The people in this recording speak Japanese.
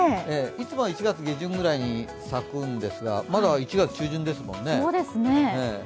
いつもは１月下旬ぐらいに咲くんですが、まだ１月中旬ですもんね。